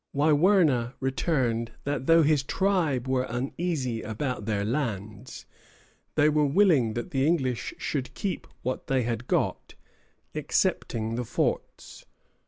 Wiwurna returned that though his tribe were uneasy about their lands, they were willing that the English should keep what they had got, excepting the forts.